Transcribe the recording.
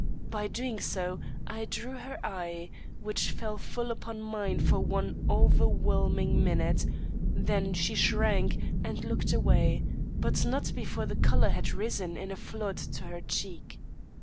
By so doing, I drew her eye, which fell full upon mine for one overwhelming minute; then she shrank and looked away, but not before the colour had risen in a flood to her cheek.